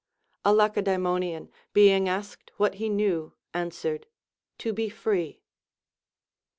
A Lacedae monian, being asked what he knew, answered. To be free.